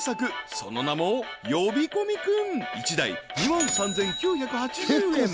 その名も呼び込み君１台２万３９８０円